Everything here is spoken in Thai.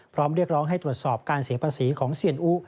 เรียกร้องให้ตรวจสอบการเสียภาษีของเซียนอุ